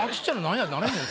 なれへん？